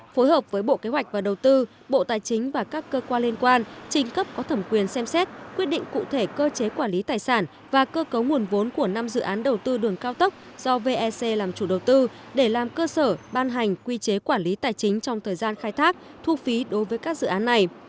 phối hợp với bộ kế hoạch và đầu tư bộ tài chính và các cơ quan liên quan trình cấp có thẩm quyền xem xét quyết định cụ thể cơ chế quản lý tài sản và cơ cấu nguồn vốn của năm dự án đầu tư đường cao tốc do vec làm chủ đầu tư để làm cơ sở ban hành quy chế quản lý tài chính trong thời gian khai thác thu phí đối với các dự án này